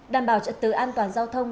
đảm bảo trật tự an toàn giao thông